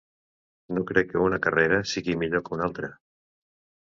No crec que una carrera sigui millor que una altra.